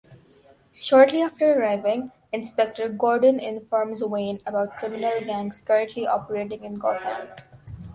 Shortly after arriving, Inspector Gordon informs Wayne about criminal gangs currently operating in Gotham.